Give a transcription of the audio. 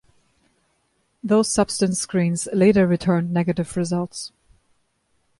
Those substance screens later returned negative results.